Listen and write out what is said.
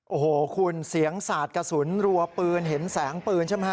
โอ้โหคุณเสียงสาดกระสุนรัวปืนเห็นแสงปืนใช่ไหมฮะ